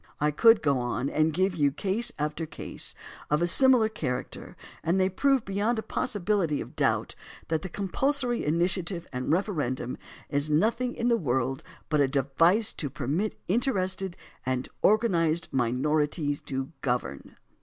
I could go on and give you case after case of a similar character and they prove beyond the possibility of doubt that the compulsory initiative and referendum is nothing in the world but a device to permit interested and organized minorities to govern.